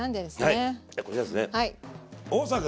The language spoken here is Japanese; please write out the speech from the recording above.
はいこちらですね。